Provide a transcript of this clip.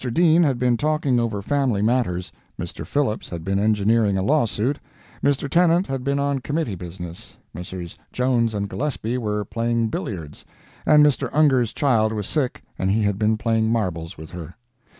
Dean had been talking over family matters. Mr. Phillips had been engineering a lawsuit. Mr. Tennant had been on committee business. Messrs. Jones and Gillespie were playing billiards, and Mr. Ungar's child was sick and he had been playing marbles with her.